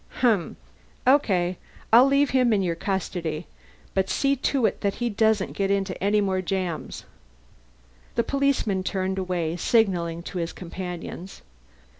"Umm. Okay. I'll leave him in your custody. But see to it that he doesn't get into any more jams." The policeman turned away, signalling to his companions.